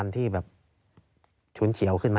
หรือจะกลายเป็น